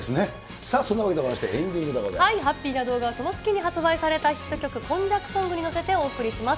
そんなわけでございまして、ハッピーな動画を、その月に発表された今昔ソングに乗せてお送りします。